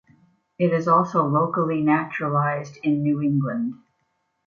It is also locally naturalized in New England.